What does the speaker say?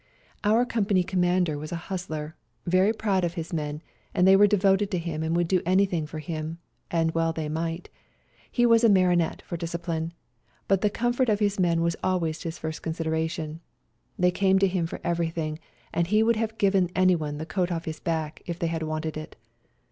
Our Company Commander was a hustler, very proud of his men, and they were devoted to him and would do anything for him, and well they might. He was a martinet for discipline, but the comfort of his men was always his first considera tion ; they came to him for everything, and he would have given anyone the coat off his back if they had wanted it.